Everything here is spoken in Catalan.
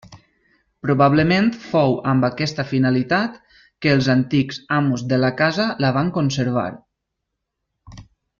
Probablement fou amb aquesta finalitat que els antics amos de la casa la van conservar.